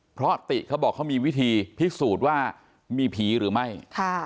เพราะติเขาบอกเขามีวิธีพิสูจน์ว่ามีผีหรือไม่